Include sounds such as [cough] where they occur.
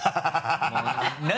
ハハハ [laughs]